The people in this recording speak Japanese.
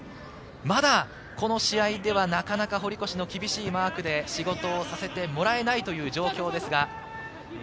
まだこの試合ではなかなか堀越の厳しいマークで仕事をさせてもらえないという状況ですが。